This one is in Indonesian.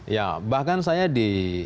ya bahkan saya di